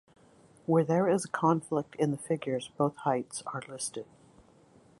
Where there is a conflict in the figures both heights are listed.